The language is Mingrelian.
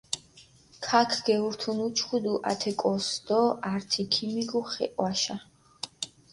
ქაქ გეურთუნ უჩქუდუ ათე კოს დო ართი ქიმიგუ ხე ჸვაშა.